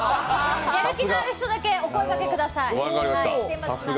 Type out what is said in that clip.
やる気のある人だけお声かけください。